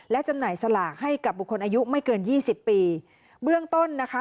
และจำหน่ายสลากให้กับบุคคลอายุไม่เกินยี่สิบปีเบื้องต้นนะคะ